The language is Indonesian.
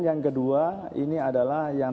yang kedua ini adalah yang